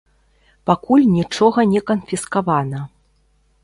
Пакуль нічога не канфіскавана.